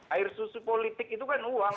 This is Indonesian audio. air susu politik itu kan uang